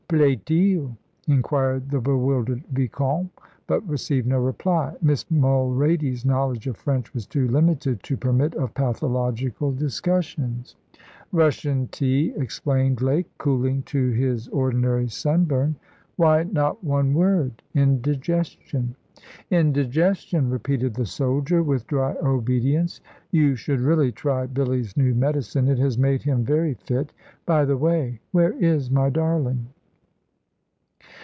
"Plaît il?" inquired the bewildered vicomte; but received no reply. Miss Mulrady's knowledge of French was too limited to permit of pathological discussions. "Russian tea," explained Lake, cooling to his ordinary sun burn. "Why not one word indigestion?" "Indigestion," repeated the soldier, with dry obedience. "You should really try Billy's new medicine; it has made him very fit. By the way, where is my darling?"